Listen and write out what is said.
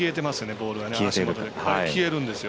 ボール消えるんですよ。